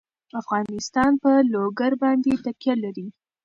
افغانستان په لوگر باندې تکیه لري.